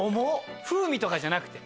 風味とかじゃなくて。